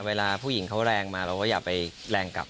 เวลาผู้หญิงเขาแรงมาเราก็อย่าไปแรงกลับ